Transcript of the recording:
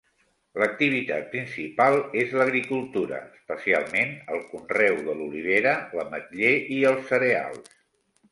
L'activitat principal és l'agricultura, especialment el conreu de l'olivera, l'ametller i els cereals.